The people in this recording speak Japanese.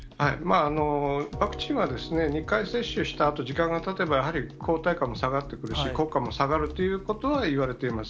ワクチンは２回接種したあと、時間がたてばやはり、抗体価も下がってくるし、効果も下がるということはいわれています。